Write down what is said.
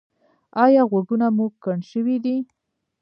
ایا غوږونه مو کڼ شوي دي؟